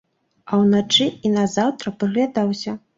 А ўначы і назаўтра прыглядаўся.